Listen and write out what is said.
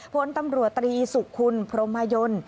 โพลปรตรีสุขุลพรมโยน